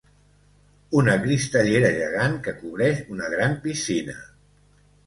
Una cristallera gegant que cobreix una gran piscina.